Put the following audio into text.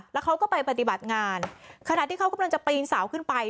แล้วเขาก็ไปปฏิบัติงานขณะที่เขากำลังจะปีนเสาขึ้นไป